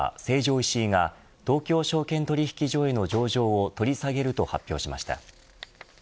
石井が東京証券取引所への上場を取り下げると発表しました。